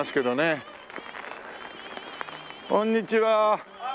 ああこんにちは。